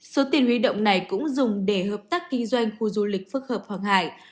số tiền huy động này cũng dùng để hợp tác kinh doanh khu du lịch phước hợp hoàng hải